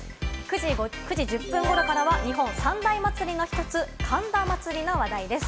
９時１０分頃からは日本三大祭の一つ、神田祭の話題です。